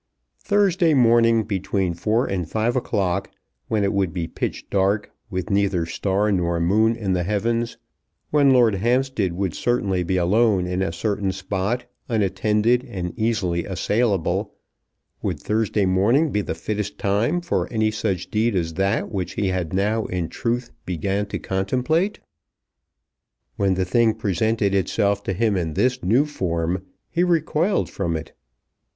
Thursday morning, between four and five o' clock, when it would be pitch dark, with neither star nor moon in the heavens, when Lord Hampstead would certainly be alone in a certain spot, unattended and easily assailable; would Thursday morning be the fittest time for any such deed as that which he had now in truth began to contemplate? When the thing presented itself to him in this new form, he recoiled from it.